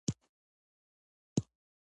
کېدای شي چې خرڅ شوي وي